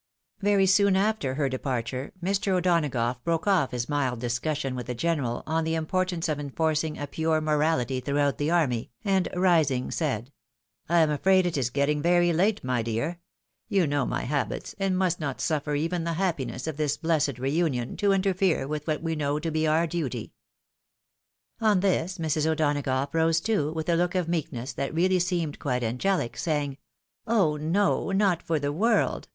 Very soon after her departiu^e, Mr. O'Donagough broke oif his mild discission with the general on the importance of en forcing a pure morality throughout the army, and rising said, " I am afraid it is getting very late, my dear ; you know my habits, and must not suffer even the happiness of this blessed re union to interfere with what we know to be our duty." On this Mrs. O'Donagough rose too, with a look of meek ness that really seemed quite angelic, saying, " Oh ! no — not for the world